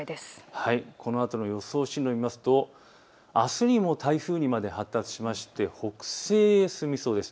このあとの予想進路を見ますとあすにも台風にまで発達しまして北西へ進みそうです。